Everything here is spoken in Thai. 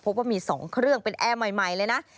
พบว่ามี๒เครื่องเป็นแอร์ใหม่เลยนะ